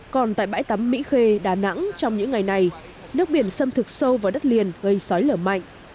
còn tại bãi tắm mỹ khê đà nẵng trong những ngày này nước biển xâm thực sâu vào đất liền gây sói lở mạnh